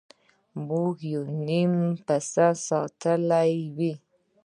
موږ یو نیم پسه ساتلی وي.